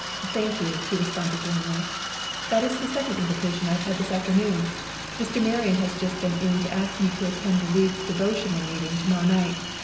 "Thank you," he responded, warmly. "That is the second invitation I have had this afternoon. Mr. Marion has just been in to ask me to attend the League's devotional meeting to morrow night.